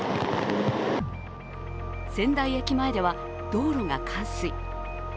仙台駅前では道路が冠水。